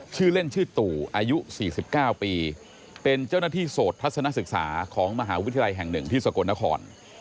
ชื่อเล่นชื่อตู่อายุ๔๙ปีเป็นเจ้าหน้าที่โสดทัศนศึกษาของมหาวิทยาลัยแห่งหนึ่งที่สกลนคร